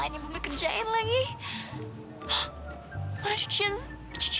hmm banget sih ngantuk